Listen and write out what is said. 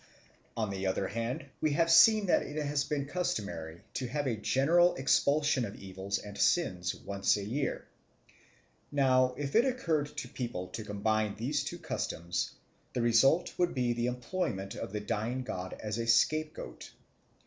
On the other hand we have seen that it has been customary to have a general expulsion of evils and sins once a year. Now, if it occurred to people to combine these two customs, the result would be the employment of the dying god as a scapegoat.